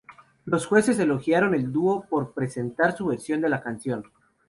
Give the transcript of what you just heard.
Los jueces elogiaron el dúo por presentar su versión de la canción.